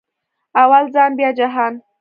اول ځان بیا جهان